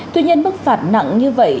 tuy nhiên mức phạt nặng như vậy